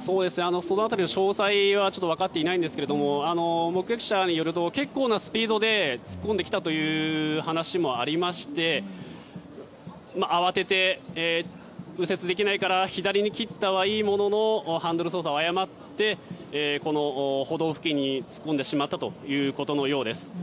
その辺りの詳細は分かっていないんですが目撃者によると結構なスピードで突っ込んできたという話もありまして慌てて、右折できないから左に切ったはいいもののハンドル操作を誤ってこの歩道付近に突っ込んでしまったということのようです。